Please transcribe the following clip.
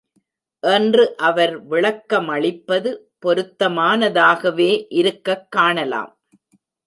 என்று அவர் விளக்கமளிப்பது பொருத்தமானதாகவே இருக்கக் காணலாம்.